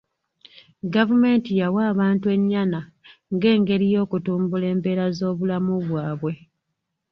Gavumenti yawa abantu ennyana ng'engeri y'okutumbula embeera z'obulamu bwabwe.